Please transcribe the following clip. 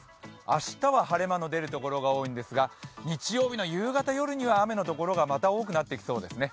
明日は晴れ間の出る所が多いんですが、日曜日の夕方夜には雨の所がまた多くなってきそうです。